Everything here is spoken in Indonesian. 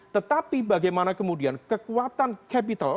tetapi bagaimana kemudian kekuatan capital